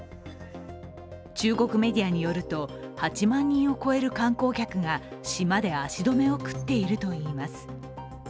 中国メディアによると８万人を超える観光客が島で足止めを食っているといいます。